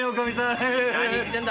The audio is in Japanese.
何言ってんだ